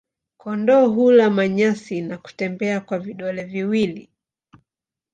Kondoo hula manyasi na kutembea kwa vidole viwili.